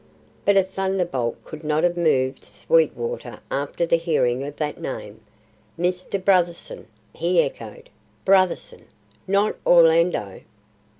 But a thunderbolt could not have moved Sweetwater after the hearing of that name. "Mr. Brotherson!" he echoed. "Brotherson! Not Orlando?"